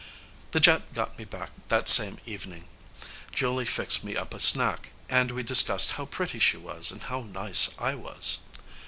The jet got me back that same evening. Julie fixed me up a snack, and we discussed how pretty she was and how nice I was.